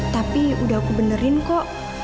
tapi udah aku benerin kok